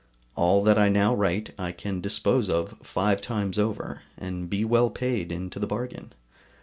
All that I now write I can dispose of five times over, and be well paid into the bargain.